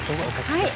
はい。